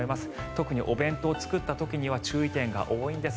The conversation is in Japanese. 特にお弁当を作った時には注意点が多いんです。